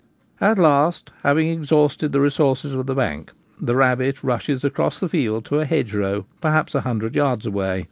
b At last, having exhausted the resources of the bank the rabbit rushes across the field to a hedgerow, perhaps a hundred yards away.